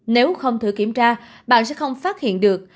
nếu không thử kiểm tra bạn sẽ không phát hiện được